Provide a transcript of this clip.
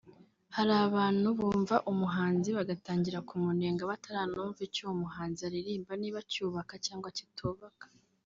Hari abantu bumva umuhanzi bagatangira kumunenga bataranumva icyo uwo muhanzi aririmba niba cyubaka cyangwa kitubaka